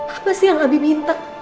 apa sih yang abi minta